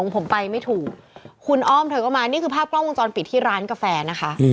ผมไปไม่ถูกคุณอ้อมเธอก็มานี่คือภาพกล้องวงจรปิดที่ร้านกาแฟนะคะ